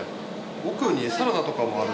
奥にサラダとかもある。